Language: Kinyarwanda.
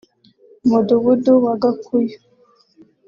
Umudugudu wa Gakuyu